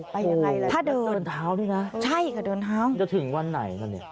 ไปอย่างไรล่ะอยากเดินเท้านี่นะจะถึงวันไหนกันเนี่ย